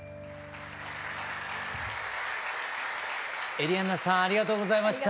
エリアンナさんありがとうございました。